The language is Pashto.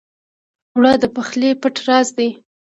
اوړه د پخلي پټ راز دی